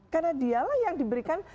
karena dialah yang diberikan